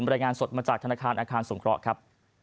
รายงานสดมาจากธนาคารอาคารสงเคราะห์ครับ